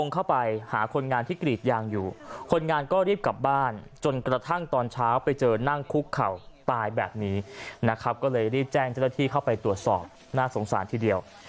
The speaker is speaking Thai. ก็เลยรีบแจ้งเจ้าหน้าที่เข้าไปตรวจสอบน่าสงสารทีเดียว